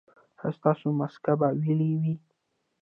ایا ستاسو مسکه به ویلې وي؟